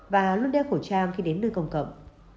và luôn đeo khẩu trang khi đến nơi công cộng